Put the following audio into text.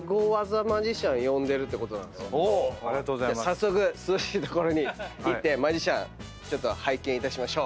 早速涼しい所に行ってマジシャン拝見いたしましょう。